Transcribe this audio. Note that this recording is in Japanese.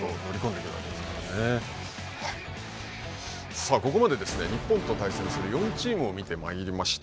さあここまでですね日本と対戦する４チームを見てまいりました。